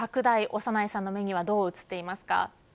長内さんの目にはどう映っていますか。